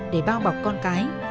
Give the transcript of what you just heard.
để bao bọc con cái